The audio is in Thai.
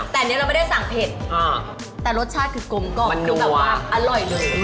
แต่อันนี้เราไม่ได้สั่งเผ็ดแต่รสชาติคือกลมกล่อมคือแบบว่าอร่อยเลย